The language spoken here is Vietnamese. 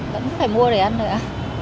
vẫn phải mua để ăn thôi ạ